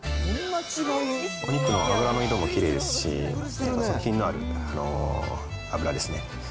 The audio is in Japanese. お肉の脂の色もきれいですし、品のある脂ですね。